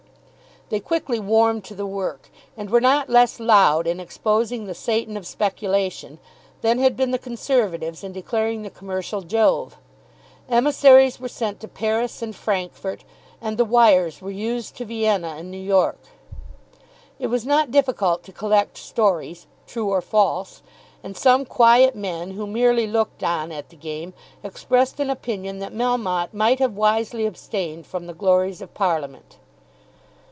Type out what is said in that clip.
They quickly warmed to the work, and were not less loud in exposing the Satan of speculation, than had been the Conservatives in declaring the commercial Jove. Emissaries were sent to Paris and Francfort, and the wires were used to Vienna and New York. It was not difficult to collect stories, true or false; and some quiet men, who merely looked on at the game, expressed an opinion that Melmotte might have wisely abstained from the glories of Parliament.